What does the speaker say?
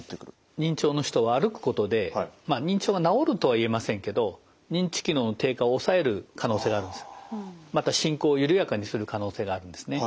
認知症の人は歩くことで認知症が治るとは言えませんけどまた進行を緩やかにする可能性があるんですね。